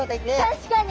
確かに。